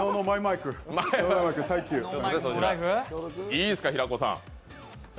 いいすか、平子さん。